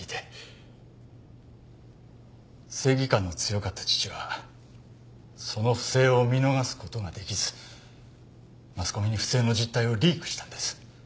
正義感の強かった父はその不正を見逃す事が出来ずマスコミに不正の実態をリークしたんです。